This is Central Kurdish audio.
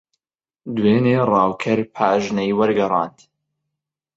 دوێنێ ڕاوکەر پاژنەی وەرگەڕاند.